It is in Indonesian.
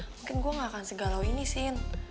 mungkin gue gak akan segalau ini sih